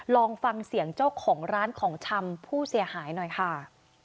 ลองฟังเสียงเจ้าของร้านของชำผู้เสียหายหน่อยค่ะ